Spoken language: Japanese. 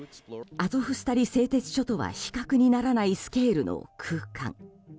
アゾフスタリ製鉄所とは比較にならないスケールの空間。